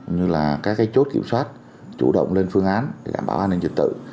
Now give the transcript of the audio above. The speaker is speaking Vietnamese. như là các chốt kiểm soát chủ động lên phương án để đảm bảo an ninh dịch tự